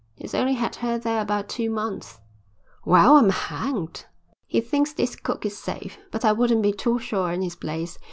He's only had her there about two months." "Well, I'm hanged." "He thinks this cook is safe. But I wouldn't be too sure in his place.